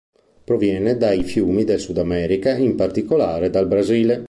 Proviene dai fiumi del Sud America, in particolare dal Brasile.